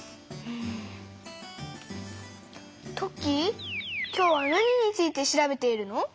トッキー今日は何について調べているの？